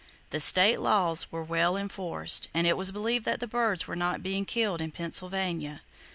The state laws were well enforced, and it was believed that the birds were not being killed in Pennsylvania.